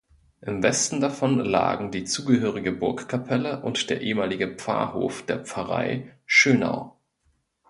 Im Westen davon lagen die zugehörige Burgkapelle und der ehemaliger Pfarrhof der Pfarrei Schönau.